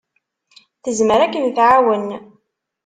Tezmer ad kem-tɛawen.